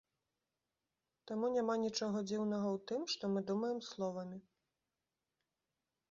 Таму няма нічога дзіўнага ў тым, што мы думаем словамі.